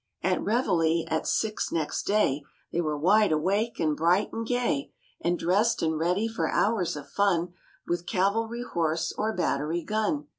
At reveille at six next day They were wide awake and bright and gay And dressed and ready for hours of fun With cavalry horse or battery gun.